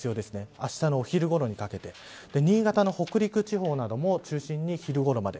あしたのお昼ごろにかけて新潟の北陸地方なども中心に昼ごろまで。